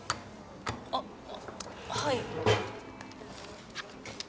あっはい。